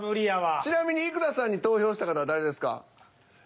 ちなみに生田さんに投票した方は誰ですか？